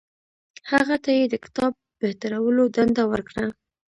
هغه ته یې د کتاب د بهترولو دنده ورکړه.